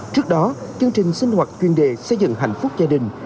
trước đó chương trình sinh hoạt chuyên đề xây dựng hạnh phúc gia đình